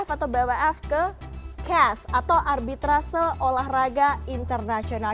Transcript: kita laporkan bwf atau bwf ke kes atau arbitrase olahraga internasional